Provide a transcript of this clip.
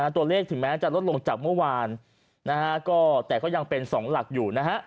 ตัวเลขถึงแม้จะลดลงจากเมื่อวานแต่ก็ยังเป็น๒หลักอยู่นะฮะ